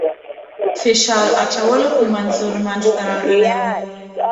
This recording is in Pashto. فشار اچولو په منظور منځته راغلی وو.